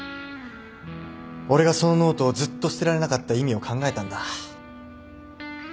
俺がそのノートをずっと捨てられなかった意味を考えたんだ。